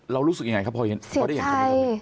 เรารู้สึกอย่างไรครับพอได้เห็น